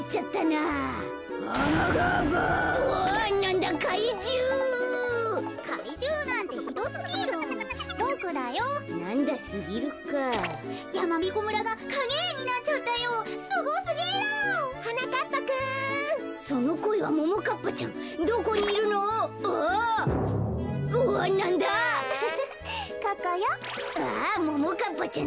あももかっぱちゃん